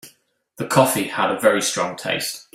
The coffee had a very strong taste.